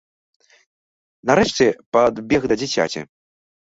Нарэшце падбег да дзіцяці.